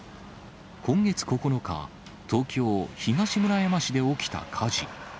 今月９日、東京・東村山市で起きた火事。